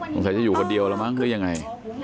สงสัยจะอยู่คนเดียวแล้วมั้งหรือยังไง